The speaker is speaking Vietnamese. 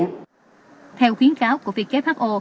nói chung là theo khuyến kháo của who